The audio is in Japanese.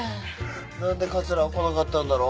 何で桂は来なかったんだろう？